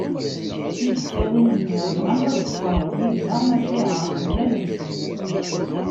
Timeksawin-nni bɣant ad qeṣṣrent yid-neɣ, maca yeɛreq lmal-nsent.